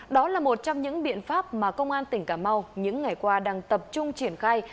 đó là một trong những biện pháp mà công an tỉnh cà mau những ngày qua đang tập trung triển khai